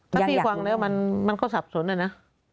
ถ้าพี่ฟังแล้วมันก็สับสนนะนะ